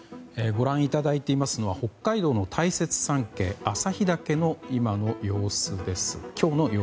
ご覧いただいていますのは北海道の大雪山系旭岳の今日の様子です。